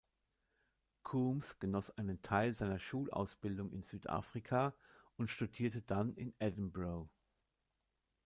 Coombs genoss einen Teil seiner Schulausbildung in Südafrika und studierte dann in Edinburgh.